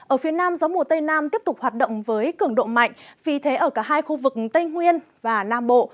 ở phía nam gió mùa tây nam tiếp tục hoạt động với cường độ mạnh vì thế ở cả hai khu vực tây nguyên và nam bộ